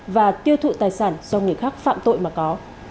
và tiêu thụ tài sản do người khác phạm tội mà có